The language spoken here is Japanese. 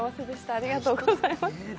ありがとうございます。